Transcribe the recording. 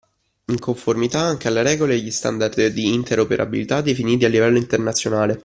In conformità anche alle regole e agli standard di interoperabilità definiti a livello internazionale.